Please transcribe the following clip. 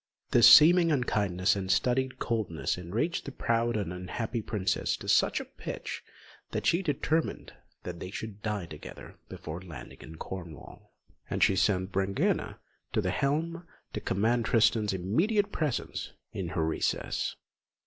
This seeming unkindness and studied coldness enraged the proud and unhappy princess to such a pitch that she determined they should die together before landing in Cornwall; and she sent Brangæna to the helm to command Tristan's immediate presence in her recess.